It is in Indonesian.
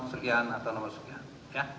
sekian atau nomor sekian